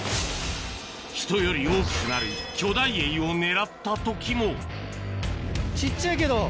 人より大きくなる巨大エイを狙った時も小っちゃいけどウツボ。